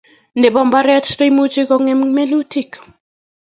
Nebo mbaret ne imuch kongem minutik